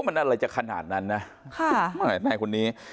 มันอะไรจากขนาดนั้นนะค่ะไม่ไหวไหมคนนี้